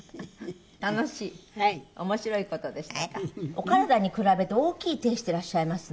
お体に比べて大きい手してらっしゃいますね。